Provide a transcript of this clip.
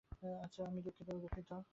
আচ্ছা, আমি দুঃখিত।